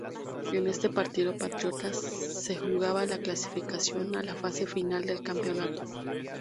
En este partido Patriotas se jugaba la clasificación a la fase final del campeonato.